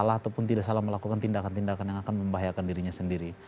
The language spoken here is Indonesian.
salah ataupun tidak salah melakukan tindakan tindakan yang akan membahayakan dirinya sendiri